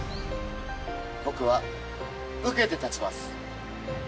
僕は受けてたちます。